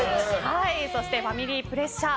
そしてファミリープレッシャー。